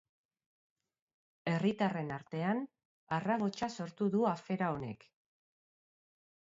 Herritarren artean harrabotsa sortu du afera honek